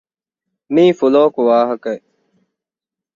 މީ ފުލޯކު ވާހަކައެއް